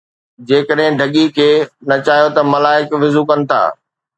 جيڪڏهن ڍڳي کي نچايو ته ملائڪ وضو ڪن ٿا.